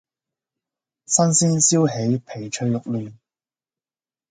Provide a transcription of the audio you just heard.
新鮮燒起皮脆肉嫩